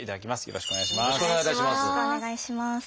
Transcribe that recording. よろしくお願いします。